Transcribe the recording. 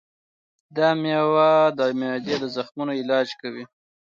دا مېوه د معدې د زخمونو علاج کوي.